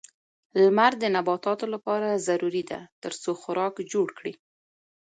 لمر د نباتاتو لپاره ضروري ده ترڅو خوراک جوړ کړي.